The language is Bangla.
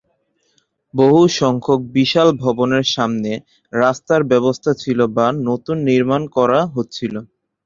বহু সংখ্যক বিশাল ভবনের সামনে রাস্তার ব্যবস্থা ছিল বা নতুনভাবে নির্মান করা হচ্ছিল।